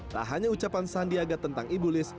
tak hanya ucapan sandiaga tentang ibu liz